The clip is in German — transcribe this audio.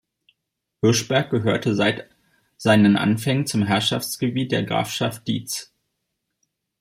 Hirschberg gehörte seit seinen Anfängen zum Herrschaftsgebiet der Grafschaft Diez.